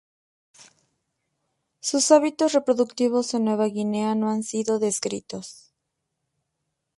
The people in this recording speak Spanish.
Sus hábitos reproductivos en Nueva Guinea no han sido descritos.